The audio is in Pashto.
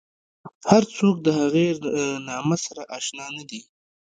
هر څوک د هغې له نامه سره اشنا نه دي.